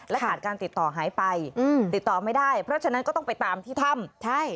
ขาดการติดต่อหายไปอืมติดต่อไม่ได้เพราะฉะนั้นก็ต้องไปตามที่ถ้ำใช่